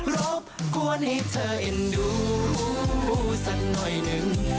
รบกวนให้เธอเอ็นดูสักหน่อยหนึ่ง